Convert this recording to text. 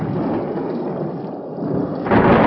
tidur lagi ya